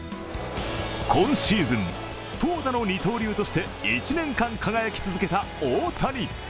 今シーズン、投打の二刀流として１年間輝き続けた大谷。